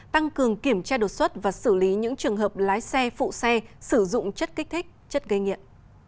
tăng cường kiểm tra đột xuất và xử lý những trường hợp lái xe phụ xe sử dụng chất kích thích chất gây nghiện